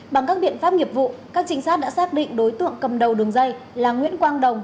bằng các biện pháp nghiệp vụ các trinh sát đã xác định đối tượng cầm đầu đường dây là nguyễn quang đồng